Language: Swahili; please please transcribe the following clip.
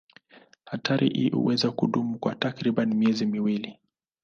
Hatari hii huweza kudumu kwa takriban miezi miwili.